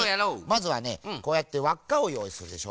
まずはねこうやってわっかをよういするでしょう。